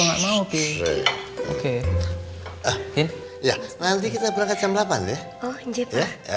nanti kita berangkat jam delapan ya